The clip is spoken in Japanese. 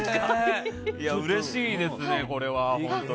うれしいですね、これは。